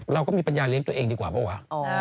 เราก็มีปัญญาเลี้ยงตัวเองดีกว่าเปล่าวะ